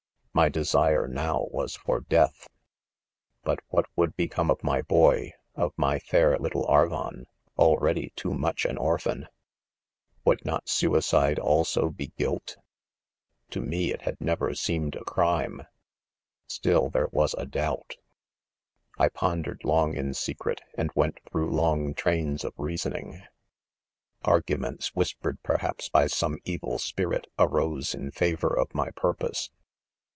£ My desire, now, was for death 5 but what would become of my boy, of my fair little Ar ¥on, already too much an orphan 1 — would not suicide also, be guilt 1 — to me it had never seemed a crime ;— still there was a doubt ! 1 pondered long in secret, and went through long trains of reasoning. Arguments, whis pered, perhaps, by some evil spirit, arose in favor of my purpose.